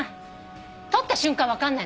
撮った瞬間分かんない。